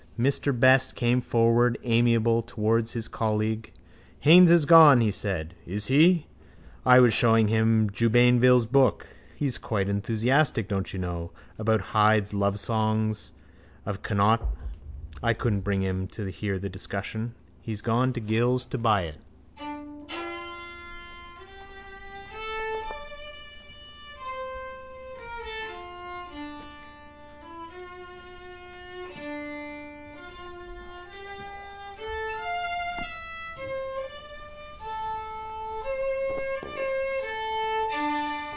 Mr Best came forward, amiable, towards his colleague. —Haines is gone, he said. —Is he? —I was showing him Jubainville's book. He's quite enthusiastic, don't you know, about Hyde's Lovesongs of Connacht. I couldn't bring him in to hear the discussion. He's gone to Gill's to buy it.